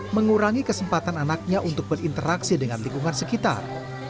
mengurangi kesempatan anaknya untuk berinteraksi dengan lingkungan sekitar